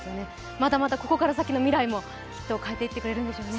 まだまだここから先の未来もきっと変えていってくれるでしょうね。